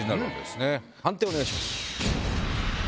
判定をお願いします。